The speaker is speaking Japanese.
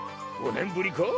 ５年ぶりか？